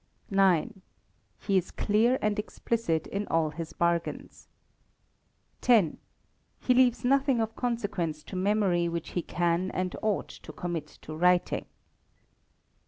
ix. He is clear and explicit in all his bargains. x. He leaves nothing of consequence to memory which he can and ought to commit to writing.